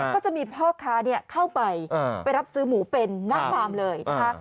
ก็จะมีพ่อค้าเข้าไปไปรับซื้อหมูเป็นหน้าฟาร์มเลยนะคะ